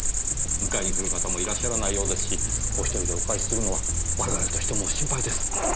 迎えに来る方もいらっしゃらないようですしお１人でお帰しするのは我々としても心配です。